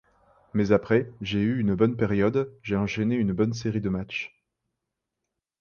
Mais après, j'ai eu une bonne période, j'ai enchaîné une bonne série de matchs.